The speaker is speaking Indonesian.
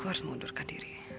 aku harus mengundurkan diri